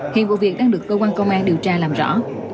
hiện vụ việc đang được cơ quan công an điều tra làm rõ